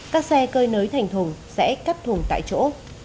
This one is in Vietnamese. các xe cơi nới thành thùng sẽ cắt thùng tại chỗ